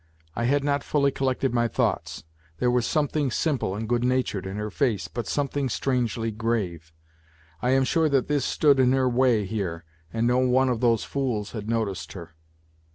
I had not fully collected my thoughts. There was something simple and good natured in her face, but something strangely grave. I am sure that this stood in her way here, and no one of those fools had noticed her.